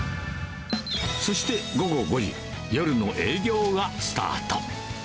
そして午後５時、夜の営業がスタート。